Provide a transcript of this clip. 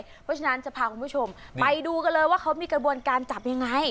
เพราะฉะนั้นจะพาคุณผู้ชมไปดูกันเลยว่าเขามีกระบวนการจับยังไง